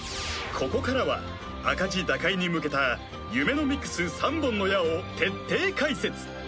ここからは赤字打開に向けたユメノミクス三本の矢を徹底解説